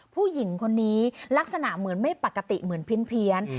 ผู้หญิงคนนี้ลักษณะเหมือนไม่ปกติเหมือนเพี้ยน